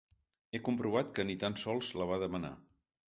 He comprovat que ni tan sols la va demanar.